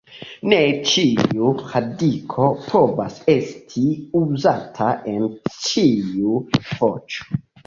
Ne ĉiu radiko povas esti uzata en ĉiu voĉo.